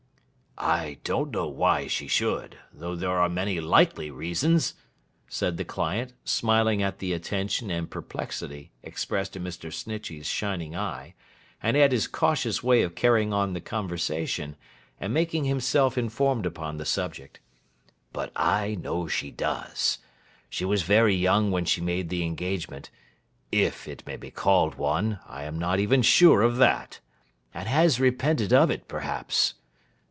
'I don't know why she should, though there are many likely reasons,' said the client, smiling at the attention and perplexity expressed in Mr. Snitchey's shining eye, and at his cautious way of carrying on the conversation, and making himself informed upon the subject; 'but I know she does. She was very young when she made the engagement—if it may be called one, I am not even sure of that—and has repented of it, perhaps.